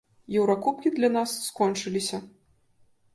Еўракубкі для нас скончыліся.